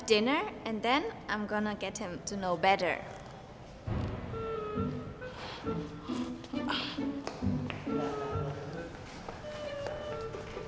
dan kemudian aku akan bikin dia lebih tahu